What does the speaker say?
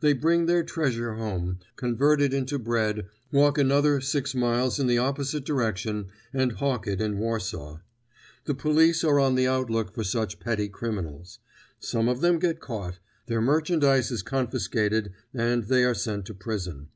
They bring their treasure home, convert it into bread, walk another, six miles in the opposite direction and hawk it in Warsaw. The police are on the outlook for such petty criminals. Some of them get caught, their merchandise is confiscated and they are sent to prison.